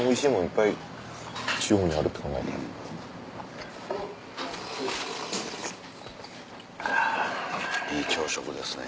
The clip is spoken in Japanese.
いい朝食ですね。